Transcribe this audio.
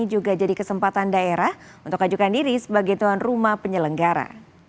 juga jadi kesempatan daerah untuk ajukan diri sebagai tuan rumah penyelenggara